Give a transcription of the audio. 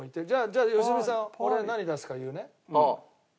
じゃあ良純さん俺何出すか言うね。